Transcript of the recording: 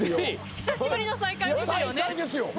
久しぶりの再会ですよね。